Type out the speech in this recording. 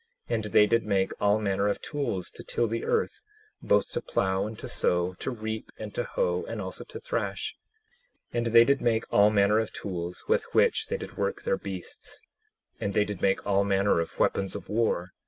10:25 And they did make all manner of tools to till the earth, both to plow and to sow, to reap and to hoe, and also to thrash. 10:26 And they did make all manner of tools with which they did work their beasts. 10:27 And they did make all manner of weapons of war.